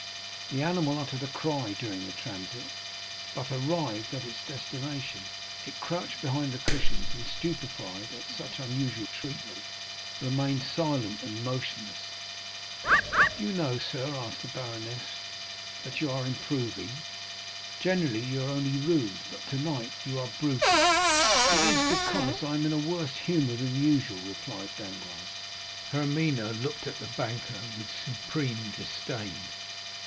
The animal uttered a cry during the transit, but, arrived at its destination, it crouched behind the cushions, and stupefied at such unusual treatment remained silent and motionless. "Do you know, sir," asked the baroness, "that you are improving? Generally you are only rude, but tonight you are brutal." "It is because I am in a worse humor than usual," replied Danglars. Hermine looked at the banker with supreme disdain.